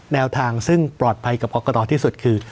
แนวทางซึ่งปลอดภัยกับกรกตที่สุดคือ